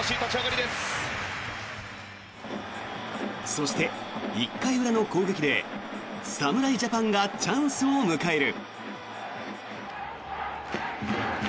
そして、１回裏の攻撃で侍ジャパンがチャンスを迎える。